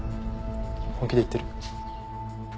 本気で言ってる？